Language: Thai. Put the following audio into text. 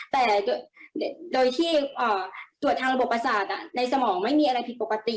แต่โดยที่ตรวจทางระบบประสาทในสมองไม่มีอะไรผิดปกติ